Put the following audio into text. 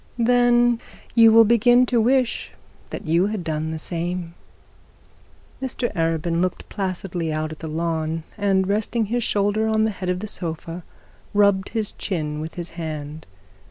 'Then you will begin to wish that you had done the same.' Mr Arabin look placidly out at the lawn, and resting his shoulder on the head of the sofa, rubbed his chin with his hand.